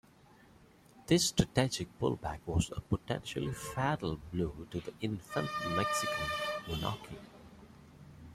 This strategic pullback was a potentially fatal blow to the infant Mexican monarchy.